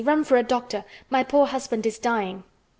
Run for a doctor! My poor husband is dying!"